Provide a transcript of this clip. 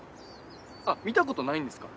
あっ見たことないんですか？